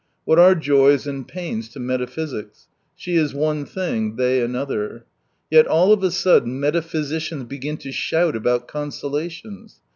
What are joys and pains to metaphysics ?— she is one thing, they another. Yet all of a sudden meta physicians begin to shout about consola tions.